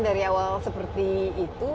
dari awal seperti itu